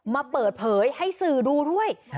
มาเปิดเผยให้สื่อดูด้วย